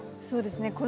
そうですね